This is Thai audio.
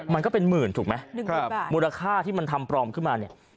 มันก็เป็นหมื่นถูกไหมครับมูลค่าที่มันทำปลอมขึ้นมาเนี่ย